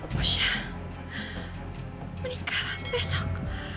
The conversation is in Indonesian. posya menikah besok